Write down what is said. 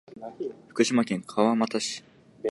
福島県川俣町